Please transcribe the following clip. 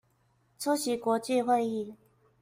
出席國際會議